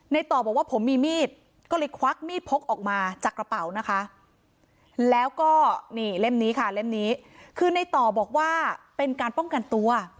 ต่อบอกว่าผมมีมีดก็เลยควักมีดพกออกมาจากกระเป๋านะคะแล้วก็นี่เล่มนี้ค่ะเล่มนี้คือในต่อบอกว่าเป็นการป้องกันตัว